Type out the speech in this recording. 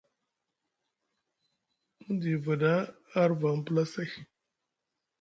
Mu diva ɗa arvaŋ pulasay.